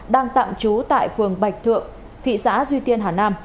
đang tạm trú tại phường bạch thượng thị xã duy tiên hà nam